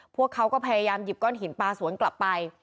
พวกเขาก็พยายามหยิบก้อนหินปลาสวนกลับไป